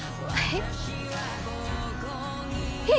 えっ？